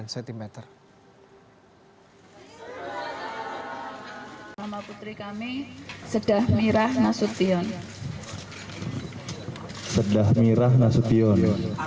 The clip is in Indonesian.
kami sedah mirah nasution